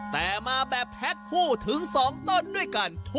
แต่มาแบบแพ็คคู่ถึง๒ต้นด้วยกัน